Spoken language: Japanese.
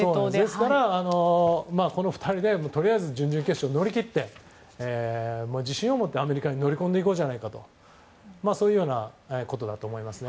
ですから、この２人で準々決勝を乗り切って、自信を持ってアメリカに乗り込んでいこうじゃないかとそういうことだと思います。